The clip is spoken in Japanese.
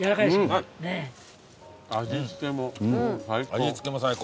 味付けも最高。